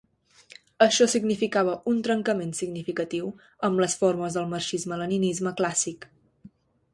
Això significava un trencament significatiu amb les formes del marxisme-leninisme clàssic.